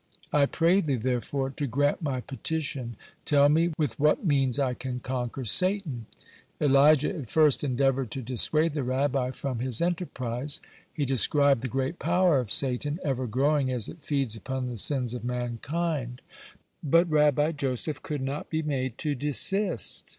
I pray thee, therefore, to grant my petition, tell me with what means I can conquer Satan." Elijah at first endeavored to dissuade the Rabbi from his enterprise. He described the great power of Satan, ever growing as it feeds upon the sins of mankind. But Rabbi Joseph could not be made to desist.